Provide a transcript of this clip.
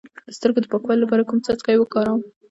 د سترګو د پاکوالي لپاره کوم څاڅکي وکاروم؟